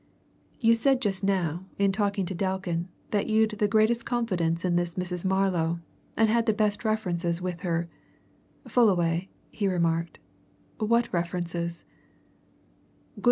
"You said just now, in talking to Delkin, that you'd the greatest confidence in this Mrs. Marlow, and had the best references with her, Fullaway," he remarked. "What references?"